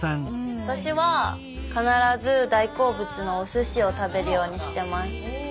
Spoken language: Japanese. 私は必ず大好物のおすしを食べるようにしてます。